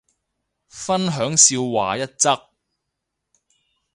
分享笑話一則